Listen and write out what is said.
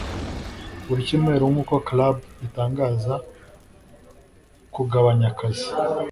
buri cyumweru nkuko club itangaza kugabanya akazi